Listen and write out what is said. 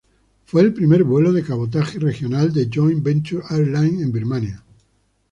Fue el primer vuelo de cabotaje y regional de Joint Venture Airline en Birmania.